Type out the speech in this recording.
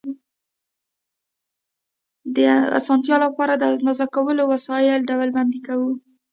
د اسانتیا لپاره د اندازه کولو وسایل ډلبندي کوو.